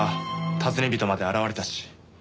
尋ね人まで現れたし。